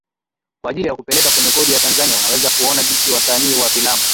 kwa ajili ya kupeleka kwenye kodi ya Tanzania Unaweza kuona jinsi wasanii wa filamu